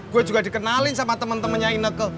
gue juga dikenalin sama temen temennya ineke